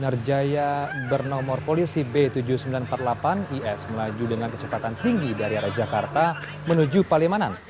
narjaya bernomor polisi b tujuh ratus sembilan puluh delapan is melaju dengan kecepatan tinggi dari jakarta menuju palemanan